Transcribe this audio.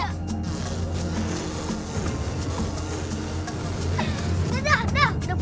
masih bagus teh